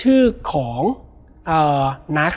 แล้วสักครั้งหนึ่งเขารู้สึกอึดอัดที่หน้าอก